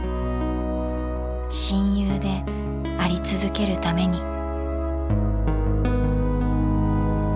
親友であり続けるために。